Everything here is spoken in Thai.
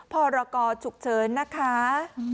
พ่อรากอฉุกเฉินนะคะ